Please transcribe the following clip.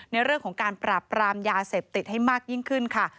ในเรื่องของการปราบปรามยาเสพติดให้มากยิ่งขึ้นค่ะ